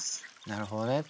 なるほどね。